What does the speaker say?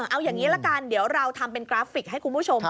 เอาอย่างนี้ละกันเดี๋ยวเราทำเป็นกราฟิกให้คุณผู้ชม